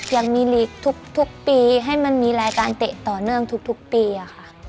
ยังมีลีกทุกปีให้มันมีรายการเตะต่อเนื่องทุกปีค่ะ